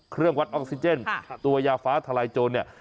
เครื่องวัดออกซิเกนตัวยาฟ้าไทยโจรเนี่ย